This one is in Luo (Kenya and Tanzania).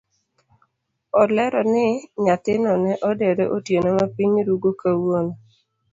Olero ni nyathino ne odere otieno mapiny rugo kawuono.